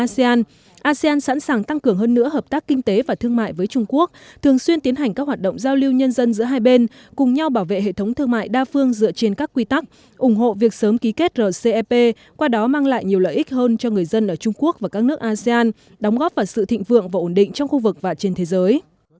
asean sẵn sàng tăng cường hơn nữa hợp tác kinh tế và thương mại với trung quốc thường xuyên tiến hành các hoạt động giao lưu nhân dân giữa hai bên cùng nhau bảo vệ hệ thống thương mại đa phương dựa trên các quy tắc ủng hộ việc sớm ký kết rcep qua đó mang lại nhiều lợi ích hơn cho người dân ở trung quốc và các nước asean đóng góp vào sự thịnh vượng và ổn định trong khu vực và trên thế giới